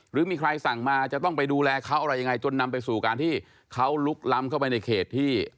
หรือมีใครสั่งมาจะต้องไปดูแลเขาอะไรยังไงจนนำไปสู่การที่เขาลุกล้ำเข้าไปในเขตที่